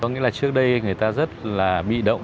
có nghĩa là trước đây người ta rất là bị động